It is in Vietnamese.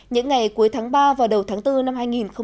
những ngày cuối tháng ba và đầu tháng bốn năm hai nghìn một mươi chín